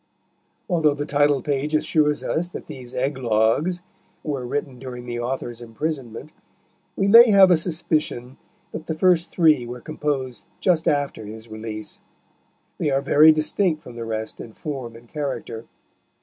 Although the title page assures us that these "eglogues" were written during the author's imprisonment, we may have a suspicion that the first three were composed just after his release. They are very distinct from the rest in form and character.